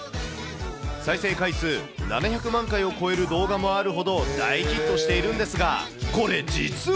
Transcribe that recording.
再生回数７００万回を超える動画もあるほど、大ヒットしているんですが、これ実は。